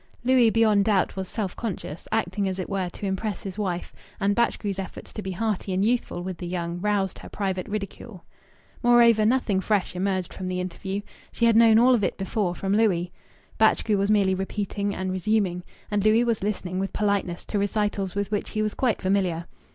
Louis beyond doubt was self conscious acting as it were to impress his wife and Batchgrew's efforts to be hearty and youthful with the young roused her private ridicule. Moreover, nothing fresh emerged from the interview. She had known all of it before from Louis. Batchgrew was merely repeating and resuming. And Louis was listening with politeness to recitals with which he was quite familiar.